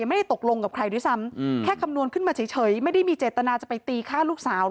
ไม่ได้ตกลงกับใครด้วยซ้ำแค่คำนวณขึ้นมาเฉยไม่ได้มีเจตนาจะไปตีฆ่าลูกสาว